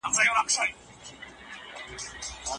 مغول له زوال وروسته کمزوري سول.